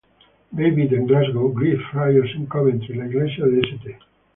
David en Glasgow; Grey Friars en Coventry; la Iglesia de St.